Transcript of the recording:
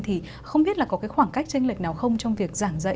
thì không biết là có cái khoảng cách tranh lệch nào không trong việc giảng dạy